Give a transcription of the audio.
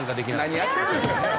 何やってるんですか！